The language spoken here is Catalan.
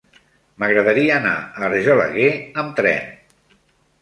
M'agradaria anar a Argelaguer amb tren.